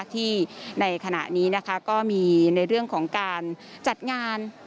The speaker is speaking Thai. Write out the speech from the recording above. ที่ในขณะนี้ก็มีในเรื่องของการจัดงาน